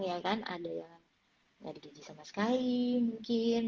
ya kan ada yang gak digaji sama sekali mungkin